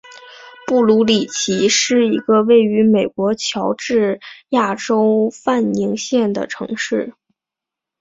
布卢里奇是一个位于美国乔治亚州范宁县的城市。